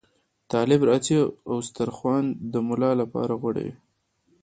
طالب راځي او دسترخوان د ملا لپاره غوړوي.